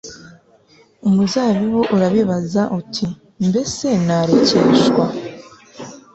umuzabibu urabibaza uti mbese narekeshwa